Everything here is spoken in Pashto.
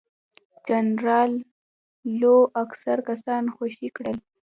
جنرال لو اکثر کسان خوشي کړل.